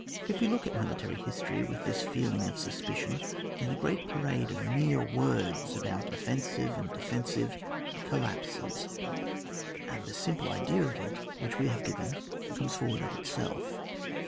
If we look at military histoiy with this feeling of suspicion, then a great parade of mere words about offensive and de fensive collapses, and the simple idea of it, which we have given, comes forward of itself.